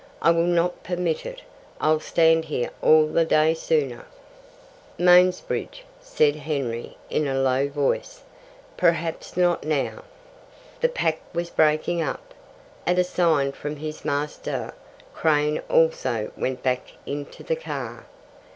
I will not permit it. I'll stand here all the day sooner." "Mansbridge," said Henry in a low voice, "perhaps not now." The pack was breaking up. At a sign from his master, Crane also went back into the car.